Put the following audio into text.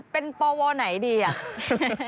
เป็นปวไหนดีอ่ะ